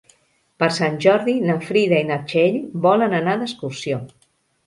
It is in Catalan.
Per Sant Jordi na Frida i na Txell volen anar d'excursió.